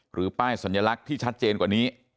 ป้ายสัญลักษณ์ที่ชัดเจนกว่านี้